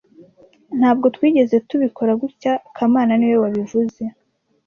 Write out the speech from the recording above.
Ntabwo twigeze tubikora gutya kamana niwe wabivuze